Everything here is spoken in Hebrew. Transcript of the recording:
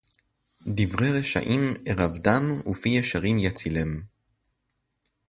דִּבְרֵ֣י רְשָׁעִ֣ים אֱרָב־דָּ֑ם וּפִ֥י יְ֝שָׁרִ֗ים יַצִּילֵֽם׃